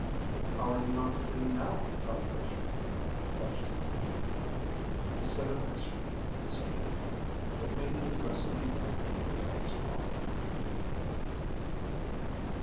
"How are you not free now, Jon Koshar?" the Duchess asked. Instead of answering, he said, "Give me the address of the inn at the Devil's Pot."